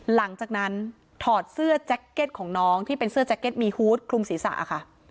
หลังจากนั้นถอดเสื้อแจ็คเก็ตของน้องที่เป็นเสื้อแจ็คเก็ตมีฮูตคลุมศีรษะค่ะ